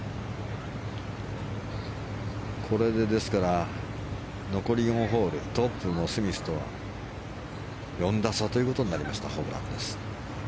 これで残り４ホールトップのスミスとは４打差ということになりましたホブランです。